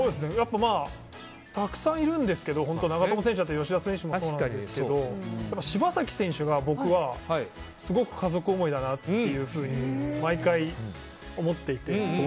たくさんいるんですけど長友選手も吉田選手もそうなんですけど、柴崎選手が僕はすごく家族思いだなって毎回思っていて。